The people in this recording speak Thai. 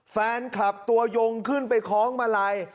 แฟนคลับตัวยงขึ้นไปคล้องมาลัย